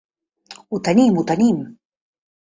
Ho tenim, ho tenim.